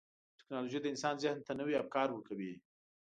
ټکنالوجي د انسان ذهن ته نوي افکار ورکوي.